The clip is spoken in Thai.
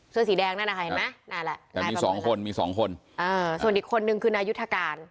เสื้อสีแดงนั่นนะคะเห็นไหมนั่นแหละแต่มีสองคนมีสองคนอ่าส่วนอีกคนนึงคือนายุทธการ